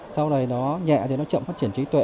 sau này nó nhẹ thì nó chậm phát triển trí tuệ